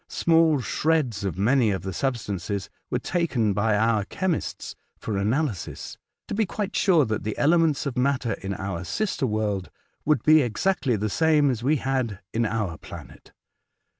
Small shreds of many of the sub stances were taken by our chemists for analysis, to be quite sure that the elements of matter in our sister world would be exactly the same as we had in our planet.